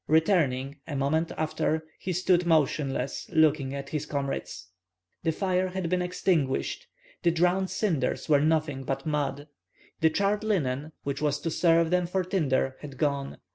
Returning, a moment after, he stood motionless looking at his comrades. The fire had been extinguished; the drowned cinders were nothing but mud. The charred linen, which was to serve them for tinder, had gone.